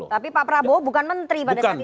tapi pak prabowo bukan menteri pada saat itu